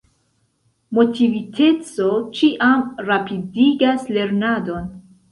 Motiviteco ĉiam rapidigas lernadon.